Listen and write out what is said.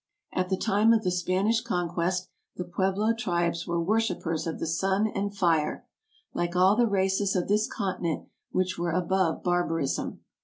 At the time of the Spanish conquest the Pueblo tribes were worshipers of the sun and fire, like all the races of this continent which were above barbarism.